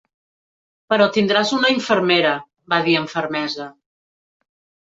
"Però tindràs una infermera", va dir amb fermesa.